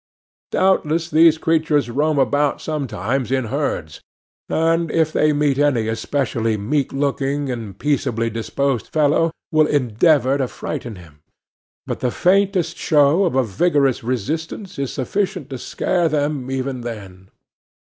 Doubtless these creatures roam about sometimes in herds, and, if they meet any especially meek looking and peaceably disposed fellow, will endeavour to frighten him; but the faintest show of a vigorous resistance is sufficient to scare them even then.